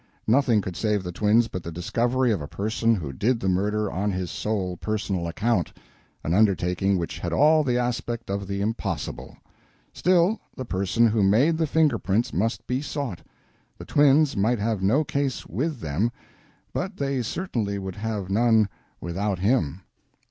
Nothing could save the twins but the discovery of a person who did the murder on his sole personal account an undertaking which had all the aspect of the impossible. Still, the person who made the finger prints must be sought. The twins might have no case with him, but they certainly would have none without him.